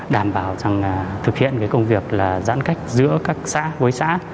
đảm bảo thực hiện công việc giãn cách giữa các xã hội xã